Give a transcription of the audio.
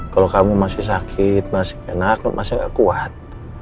kalau kamu masih sakit masih enak masih kuat